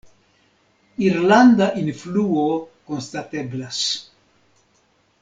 Irlanda influo konstateblas.